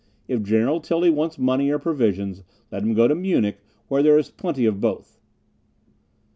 If General Tilly wants money or provisions, let him go to Munich, where there is plenty of both."